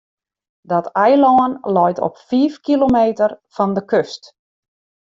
Dat eilân leit op fiif kilometer fan de kust.